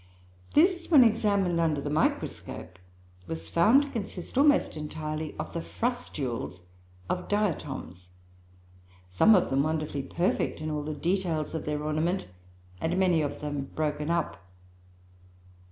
This, when examined under the microscope, was found to consist almost entirely of the frustules of Diatoms, some of them wonderfully perfect in all the details of their ornament, and many of them broken up.